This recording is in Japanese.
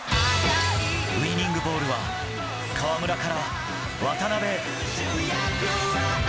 ウイニングボールは、河村から渡邊へ。